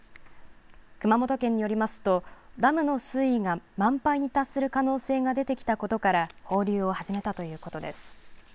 熊本県によりますと、ダムの水位が満杯に達する可能性が出てきたことから、放流を始めたということです。